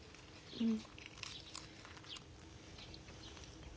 うん。